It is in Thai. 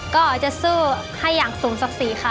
ก็จะสู้ให้อย่างสูงสักสีค่ะ